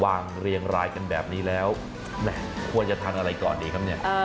เรียงรายกันแบบนี้แล้วควรจะทานอะไรก่อนดีครับเนี่ย